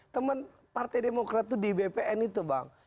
teman partai demokrat itu di bpn itu bang